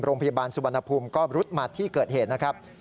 โรงพยาบาลสุวรรณภูมิก็รุดมาที่เกิดเหตุนะครับ